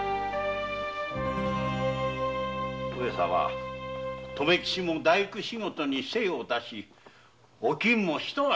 上様留吉も大工仕事に精を出しおきんも一安心とか。